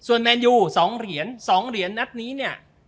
ส่วนแมนยูสองเหรียญสองเหรียญนัดนี้เนี้ย